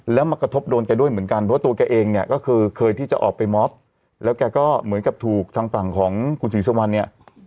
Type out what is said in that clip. แล้วมากระทบโดนแกด้วยเหมือนกันเพราะตัวแกเองเนี่ยก็คือเคยที่จะออกไปมอบแล้วแกก็เหมือนกับถูกทางฝั่งของคุณศรีสุวรรณเนี่ย